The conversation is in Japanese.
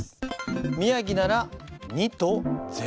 宮城なら２と０。